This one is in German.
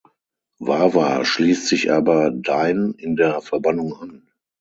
Wawa schließt sich aber Dain in der Verbannung an.